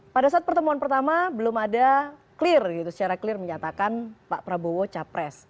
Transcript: pada saat pertemuan pertama belum ada clear gitu secara clear menyatakan pak prabowo capres